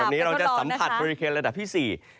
วันนี้เราจะสัมผัสบริเวณเคนระดับที่๔